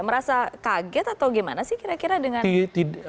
merasa kaget atau gimana sih kira kira dengan